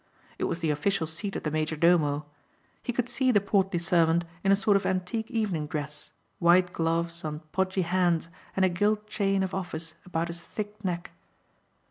It was the official seat of the major domo. He could see the portly servant in a sort of antique evening dress, white gloves on podgy hands and a gilt chain of office about his thick neck.